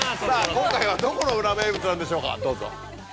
今回はどこの裏名物なんでしょうかどうぞ。